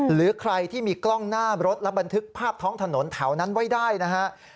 หรือใครที่มีกล้องหน้ารถและบันทึกภาพท้องถนนแถวนั้นไว้ได้นะครับ